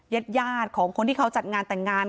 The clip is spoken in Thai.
เย็ดยาดของคนที่เขาจัดงานแต่งงาน